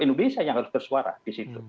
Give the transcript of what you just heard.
indonesia yang harus bersuara di situ